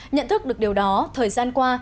nhận thức được điều đó thời gian qua